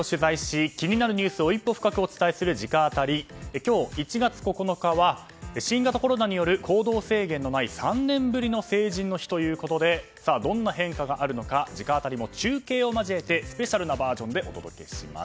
今日、１月９日は新型コロナによる行動制限のない３年ぶりの成人の日ということでどんな変化があるのか直アタリも中継を交えてスペシャルなバージョンでお届けします。